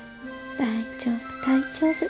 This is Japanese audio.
大丈夫大丈夫。